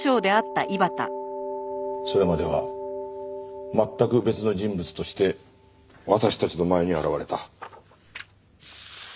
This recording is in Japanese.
それまでは全く別の人物として私たちの前に現れた。